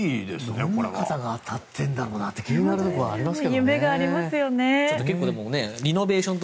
どんな方が当たってるのかなって気になるところはありますけどね。